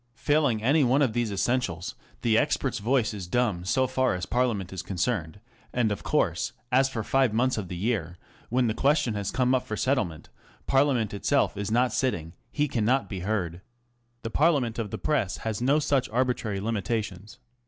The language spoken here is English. Failing any one of these essentials, the expert's voice is dumb so far as Parliament is concerned, and of course, as for five months of the year, when the question has come up for settlement, Parliament itself is not sitting, he cannot be heard. The parliament of the Press has no such arbitrary limitations.